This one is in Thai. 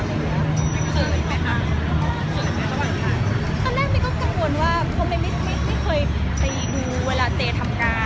ต้นแรกเราก็คิดว่าเค้าไม่มิดไม่เคยดูเวลาเจ๋ทำการ